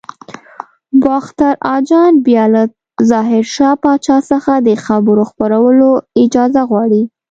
باختر اجان بیا له ظاهر شاه پاچا څخه د خبر خپرولو اجازه غواړي.